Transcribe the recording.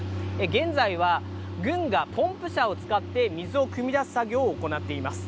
現在は、軍がポンプ車を使って、水をくみ出す作業を行っています。